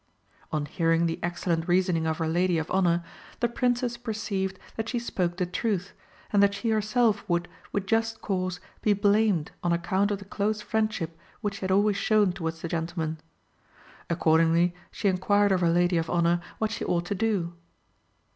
On hearing the excellent reasoning of her lady of honour, the Princess perceived that she spoke the truth, and that she herself would, with just cause, be blamed on account of the close friendship which she had always shown towards the gentleman. Accordingly she inquired of her lady of honour what she ought to do.